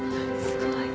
すごい。